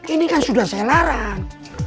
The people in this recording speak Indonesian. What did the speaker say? ini kan sudah saya larang